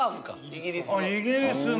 イギリスの。